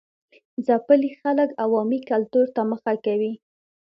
ځپلي خلک عوامي کلتور ته مخه کوي.